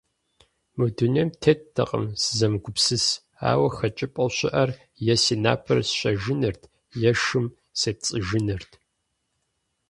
Мы дунейм теттэкъым сызэмыгупсыс, ауэ хэкӀыпӀэу щыӀэр е си напэр сщэжынырт, е шым сепцӀыжынырт.